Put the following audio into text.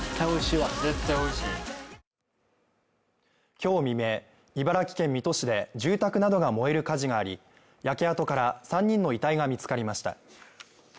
今日未明、茨城県水戸市で住宅などが燃える火事があり焼け跡から３人の遺体が見つかりました。